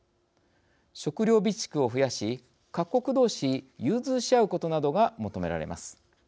食料備蓄を増やし各国同士、融通し合うことなどが求められます。